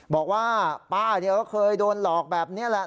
บอกว่าป้าก็เคยโดนหลอกแบบนี้แหละ